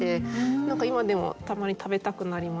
何か今でもたまに食べたくなります。